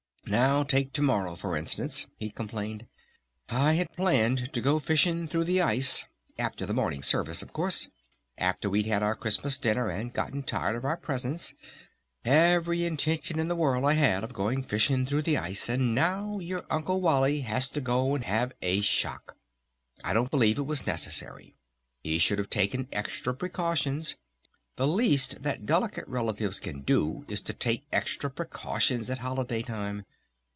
"Now take to morrow, for instance," he complained. "I had planned to go fishing through the ice.... After the morning service, of course, after we'd had our Christmas dinner, and gotten tired of our presents, every intention in the world I had of going fishing through the ice.... And now your Uncle Wally has to go and have a shock! I don't believe it was necessary. He should have taken extra precautions. The least that delicate relatives can do is to take extra precautions at holiday time....